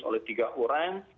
oleh tiga orang